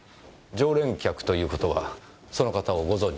常連客ということはその方をご存じで？